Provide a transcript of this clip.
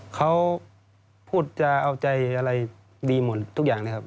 เขาพูดจะเอาใจอะไรดีหมดทุกอย่างนะครับ